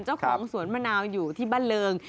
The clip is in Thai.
เจ้าของสวนมะนาวอยู่ที่บ้านเริง